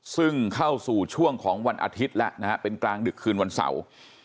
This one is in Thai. ซึ่งเข้าสู่ช่วงของวันอาทิตย์แล้วนะฮะเป็นกลางดึกคืนวันเสาร์